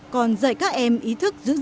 còn dạy các em ý thức dưỡng sức